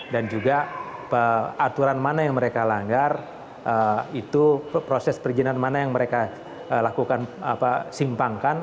dan juga aturan mana yang mereka langgar itu proses perjinan mana yang mereka simpangkan